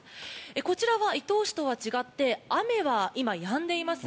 こちらは伊東市とは違って雨は今、やんでいます。